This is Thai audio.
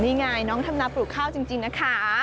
นี่ไงน้องทำนาปลูกข้าวจริงนะคะ